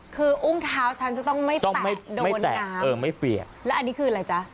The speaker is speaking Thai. คืออุ้งเท้าฉันจะต้องไม่แตะโดนน้ำเออไม่เปียกแล้วอันนี้คืออะไรจ๊ะ